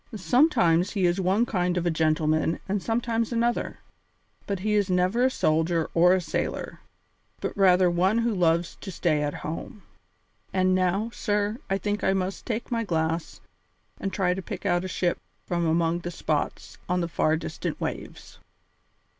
Sometimes he is one kind of a gentleman and sometimes another, but he is never a soldier or a sailor, but rather one who loves to stay at home. And now, sir, I think I must take my glass and try to pick out a ship from among the spots on the far distant waves."